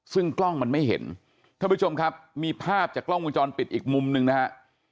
ซึ่งกล้องมันไม่เห็นท่านผู้ชมครับมีภาพจากกล้องวงจรปิดอีกมุมหนึ่งนะฮะ